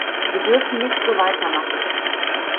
Wir dürfen nicht so weitermachen.